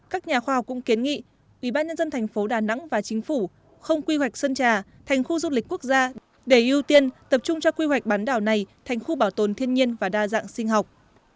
các nhà khoa học cũng kiến nghị ubnd tp đà nẵng và chính phủ không quy hoạch sơn trà thành khu du lịch quốc gia để ưu tiên tập trung cho quy hoạch bán đảo này thành khu bảo tồn thiên nhiên và đa dạng sinh học